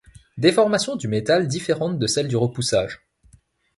Déformation du métal différente de celle du repoussage.